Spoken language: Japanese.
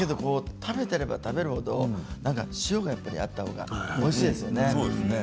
食べれば食べるほど塩がやっぱりあったほうがおいしいですね。